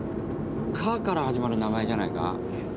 「か」から始まる名前じゃないか？